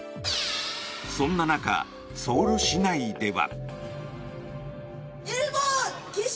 そんな中、ソウル市内では。